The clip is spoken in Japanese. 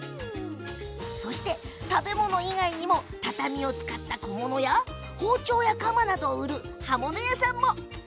食べ物以外にも畳を使った小物や包丁や鎌などを売る刃物屋さん。